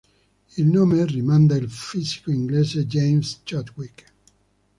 Il nome rimanda al fisico inglese James Chadwick.